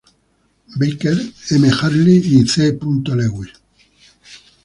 Baker, M. Harley and C. Lewis.